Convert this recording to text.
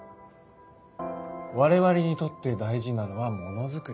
我々にとって大事なのはものづくり。